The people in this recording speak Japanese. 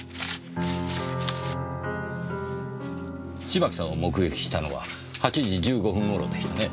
芝木さんを目撃したのは８時１５分頃でしたね？